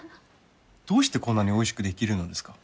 どうしてこんなにおいしくできるのですか？